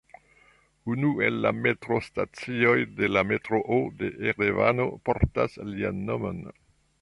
Unu el la metrostacioj de la metroo de Erevano portas lian nomon.